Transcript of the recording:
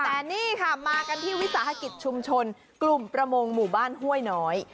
แต่นี่ค่ะมากันที่วิสาหกิจชุมชนกลุ่มประมงหมู่บ้านห้วยน้อย